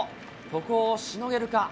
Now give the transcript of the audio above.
ここをしのげるか。